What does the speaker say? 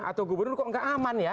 atau gubernur kok nggak aman ya